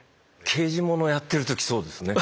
刑事物やってる時そうですね。